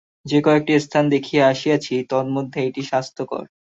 যে কয়েকটি স্থান দেখিয়া আসিয়াছি, তন্মধ্যে এইটি স্বাস্থ্যকর।